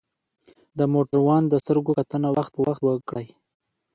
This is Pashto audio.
د موټروان د سترګو کتنه وخت پر وخت وکړئ.